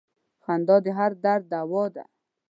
• خندا د هر درد دوا ده.